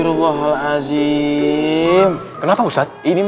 sebentar ya ustadz